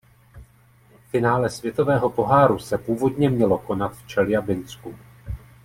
Finále Světového poháru se původně mělo konat v Čeljabinsku.